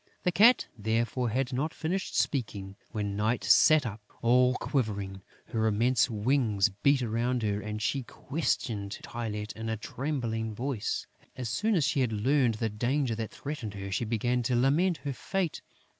The Cat, therefore, had not finished speaking, when Night sat up, all quivering. Her immense wings beat around her; and she questioned Tylette in a trembling voice. As soon as she had learned the danger that threatened her, she began to lament her fate.